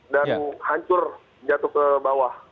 dan hancur jatuh ke bawah